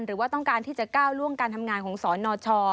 หรือว่าต้องการที่จะก้าวล่วงการทำงานของสนช